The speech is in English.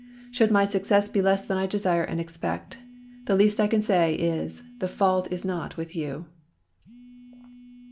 Should my ^^^^^ success be less than I desire and expect, the least I May ^"isei! *can say is, the fault is not with you."